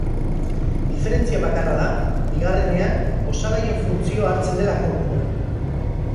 Diferentzia bakarra da bigarrenean osagaien funtzioa hartzen dela kontuan.